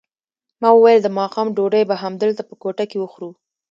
ما وویل د ماښام ډوډۍ به همدلته په کوټه کې وخورو.